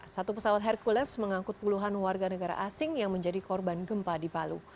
satu pesawat hercules mengangkut puluhan warga negara asing yang menjadi korban gempa di palu